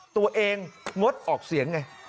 ตัวยงดออกเสียงไง